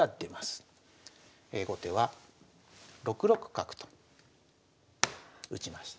後手は６六角と打ちました。